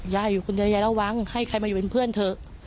ย่าอยู่คุณย่าย่าระวังให้ใครมาอยู่เป็นเพื่อนเถอะ